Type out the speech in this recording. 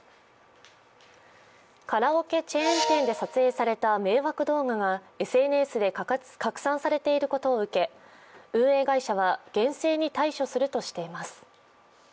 カラオケチェーン店で撮影された迷惑動画がＳＮＳで拡散されていることを受け運営会社は厳正に対処するとしています。